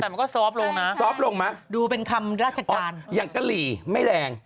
แต่มันก็ซอฟต์ลงนะซอฟต์ลงมั้ยดูเป็นคำราชการอย่างกะหรี่ไม่แรง